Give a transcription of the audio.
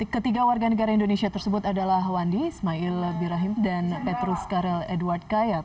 ketiga warga negara indonesia tersebut adalah wandi ismail birahim dan petrus karel edward kayat